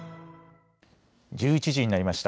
１１時になりました。